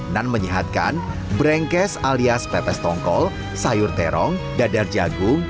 dan menyehatkan berenkes alias pepes tongkol sayur terong dadar jagung